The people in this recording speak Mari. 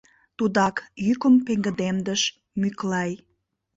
— Тудак! — йӱкым пеҥгыдемдыш Мӱклай.